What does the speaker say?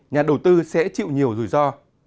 nhà đầu tư sẽ chịu nhiều rủi ro